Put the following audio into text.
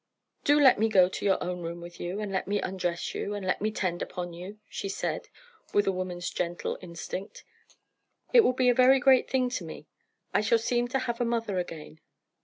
"Do let me go to your own room with you, and let me undress you, and let me tend upon you," she said, with a woman's gentle instinct. "It will be a very great thing to me. I shall seem to have a mother again.